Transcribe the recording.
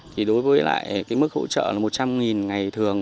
thì đối với lại cái mức hỗ trợ là một trăm linh ngày thường